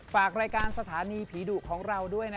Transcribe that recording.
สวัสดีราโยน